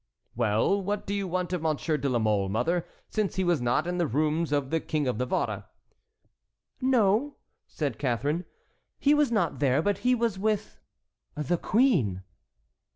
"Well, what do you want of Monsieur de la Mole, mother, since he was not in the rooms of the King of Navarre?" "No," said Catharine, "he was not there, but he was with—the queen."